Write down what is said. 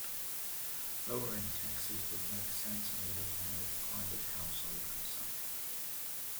Lowering taxes would make sense in order to promote private household consumption.